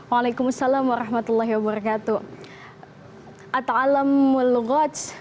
waalaikumsalam warahmatullahi wabarakatuh